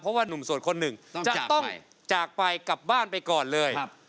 เพราะว่านุ่มโสดคนหนึ่งจะต้องจากไปกลับบ้านไปก่อนเลย